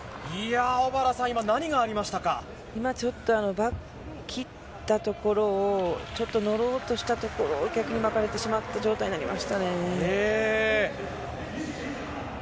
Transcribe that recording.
バックを切ったところに乗ろうとしたところを逆に巻かれてしまった状態になりましたね。